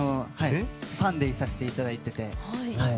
ファンでいさせていただいてて。